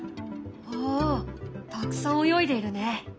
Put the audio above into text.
おおたくさん泳いでいるね。